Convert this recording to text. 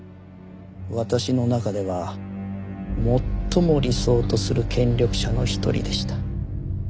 私の中では最も理想とする権力者の一人でした。